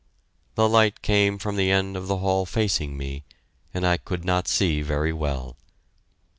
The light came from the end of the hall facing me, and I could not see very well.